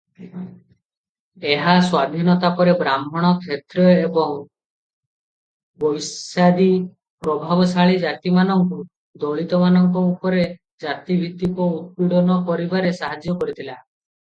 ଏହା ସ୍ୱାଧୀନତା ପରେ ବ୍ରାହ୍ମଣ, କ୍ଷତ୍ରିୟ ଏବଂ ବୈଶ୍ୟାଦି ପ୍ରଭାବଶାଳୀ ଜାତିମାନଙ୍କୁ ଦଳିତମାନଙ୍କ ଉପରେ ଜାତିଭିତ୍ତିକ ଉତ୍ପୀଡ଼ନ କରିବାରେ ସାହାଯ୍ୟ କରିଥିଲା ।